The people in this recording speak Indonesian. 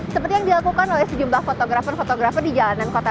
seperti yang dilakukan oleh sejumlah fotografer fotografer di jalanan kota